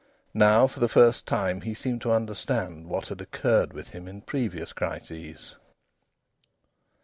Now for the first time he seemed to understand what had occurred within him in previous crises.